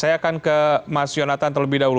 saya akan ke mas yonatan terlebih dahulu